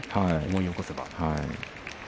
思い起こせば。